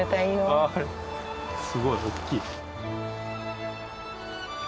すごい大きい。